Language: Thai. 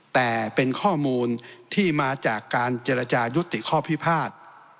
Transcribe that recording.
แต่เป็นข้อมูลที่มาจากการเจรจายุติข้อพิพาท